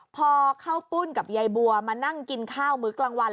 พอข้าวปุ้นกับยายบัวมานั่งกินข้าวมื้อกลางวัน